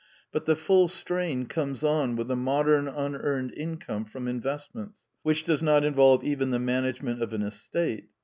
But the full strain comes on with the modern un earned income from investments, which does not involve even the management of an estate.